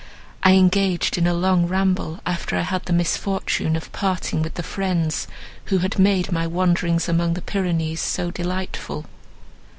"I engaged in a long ramble after I had the misfortune of parting with the friends who had made my wanderings among the Pyrenees so delightful."